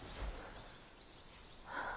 はあ。